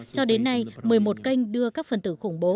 cho đến nay một mươi một kênh đưa các phần tử khủng bố